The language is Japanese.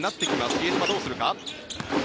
比江島、どうするか。